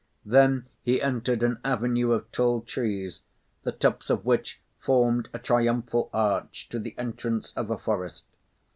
Then he entered an avenue of tall trees, the tops of which formed a triumphal arch to the entrance of a forest.